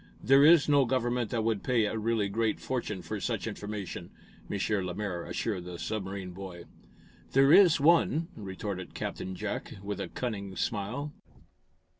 "There is no government that would pay a really great fortune for such information,". M. Lemaire assured the submarine boy. "There is one," retorted Captain Jack, with a cunning smile.